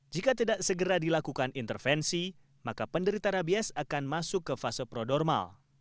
jika tidak segera dilakukan intervensi maka penderita rabies akan masuk ke fase prodormal